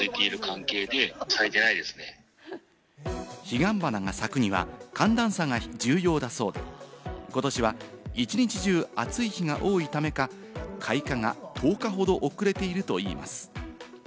彼岸花が咲くには寒暖差が重要だそうで、ことしは一日中、暑い日が多いためか、開花が１０日ほど遅れているといいます。